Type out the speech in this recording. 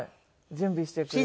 準備してくれて。